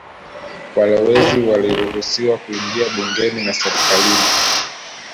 Walowezi waliruhusiwa kuingia bungeni na serikalini